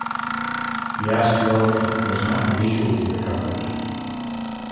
The asteroid was not visually recovered.